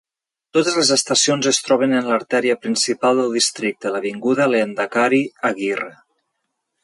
Totes les estacions es troben en l'artèria principal del districte, l'avinguda Lehendakari Aguirre.